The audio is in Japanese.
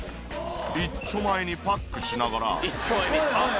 いっちょ前にパックしながら。